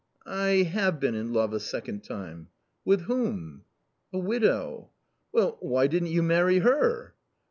" I have been in love a second time." " With whom ?"" A widow." " Well, why didn't you marry her